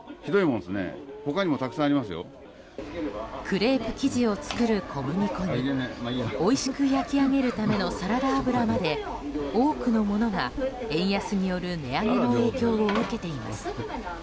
クレープ生地を作る小麦粉においしく焼き上げるためのサラダ油まで多くのものが、円安による値上げの影響を受けています。